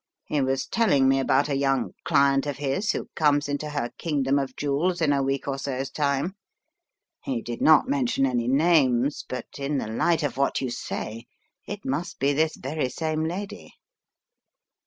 He was telling me about a young client of his who comes into her kingdom of jewels in a week or so's time. He did not mention any names, but in the light of what you say, it must be this very same lady.